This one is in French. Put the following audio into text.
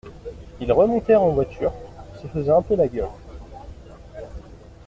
Ils remontèrent en voiture, se faisant un peu la gueule.